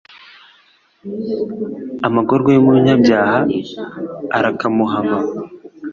amagorwa y'umunyabyaha arakamuhama